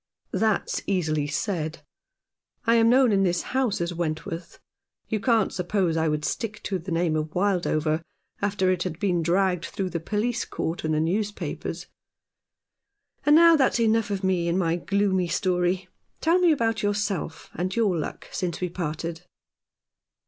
"That's easily said. I am known in this house 202 Chums. as Wentworth. You can't suppose I would stick to the name of Wildover after it had been dragged through the Police Court and the newspapers. And now that's enough of me and my gloomy story. Tell me about yourself and your luck since we parted."